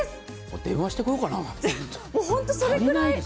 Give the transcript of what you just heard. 電話してこようかな。